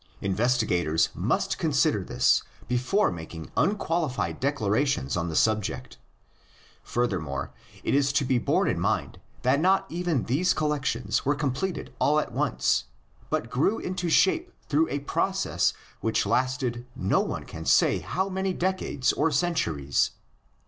Investigators must consider this before making unqualified declarations on the subject. Furthermore it is to be borne in mind that not even these collections 140 THE LEGENDS OF GENESIS. were completed all at once, but grew into shape through a process which lasted no one can say how many decades or centuries.